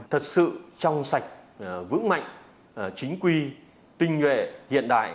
thật sự trong sạch vững mạnh chính quy tinh nhuệ hiện đại